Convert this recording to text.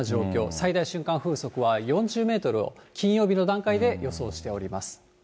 最大瞬間風速は４０メートルを、金曜日の段階で予想しております。